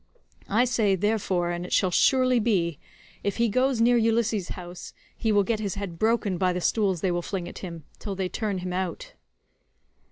I say, therefore—and it shall surely be—if he goes near Ulysses' house he will get his head broken by the stools they will fling at him, till they turn him out."